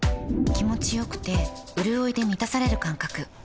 気持ちよくてうるおいで満たされる感覚